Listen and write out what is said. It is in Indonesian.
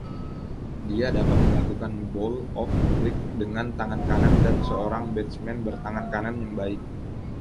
Dia dapat melakukan bowl off break dengan tangan kanan dan seorang batsman bertangan kanan yang baik.